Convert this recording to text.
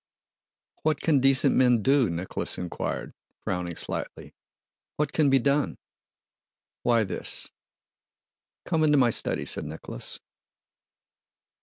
"What can decent men do?" Nicholas inquired, frowning slightly. "What can be done?" "Why, this..." "Come into my study," said Nicholas.